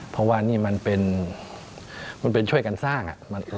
เพราะว่านี่มันเป็นช่วยกันสร้าง